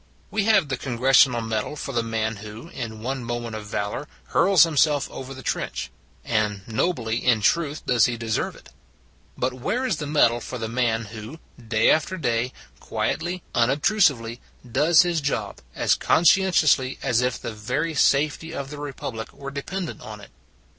186 Distributing Medals 187 We have the Congressional medal for the man who, in one moment of valor, hurls himself over the trench; and nobly, in truth, does he deserve it. But where is the medal for the man who, day after day, quietly, unobtrusively, does his job, as conscientiously as if the very safety of the Republic were dependent on it?